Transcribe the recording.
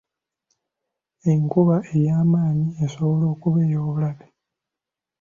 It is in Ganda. Enkuba ey'amaanyi esobola okuba ey'obulabe.